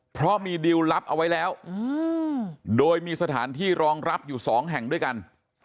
เพราะมีดิวรับเอาไว้แล้วโดยมีสถานที่รองรับอยู่สองแห่งด้วยกัน